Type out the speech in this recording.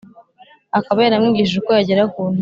akaba yaramwigishije uko yagera ku ntego.